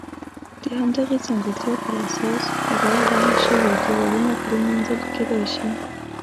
د همدغې ځانګړتیا پر اساس غوړ رنګ شوي دېوالونه پرېمنځل کېدای شي.